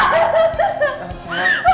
duduk sini yuk